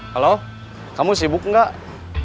halo kamu sibuk gak